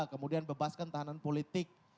kemudian bebaskan tahanan politik